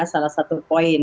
salah satu poin